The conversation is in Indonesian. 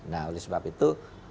nah oleh sebab itu